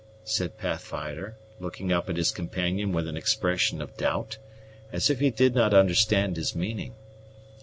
said Pathfinder, looking up at his companion with an expression of doubt, as if he did not understand his meaning.